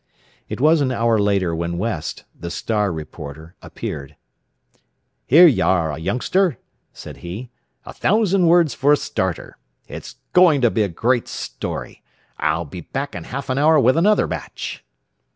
It was an hour later when West, the "Star" reporter, appeared. "Here you are, youngster," said he; "a thousand words for a starter. It's going to be a great story. I'll be back in half an hour with another batch."